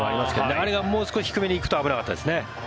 あれがもう少し低めに行くと危なかったですね。